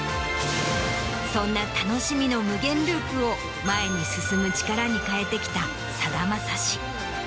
そんな楽しみの無限ループを前に進む力に変えてきたさだまさし。